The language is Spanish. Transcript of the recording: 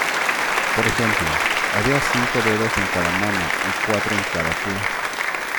Por ejemplo, había cinco dedos en cada mano y cuatro en cada pie.